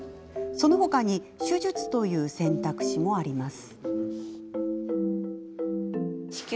その他に手術という選択肢もあります。